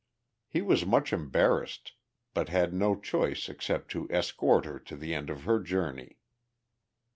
He was much embarrassed, but had no choice except to escort her to the end of her journey.